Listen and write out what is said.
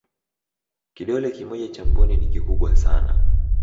kidole kimoja cha mbuni ni kikubwa sana